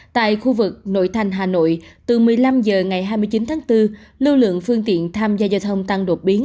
tại khu vực nội thành hà nội từ một mươi năm h ngày hai mươi chín tháng bốn lưu lượng phương tiện tham gia giao thông tăng đột biến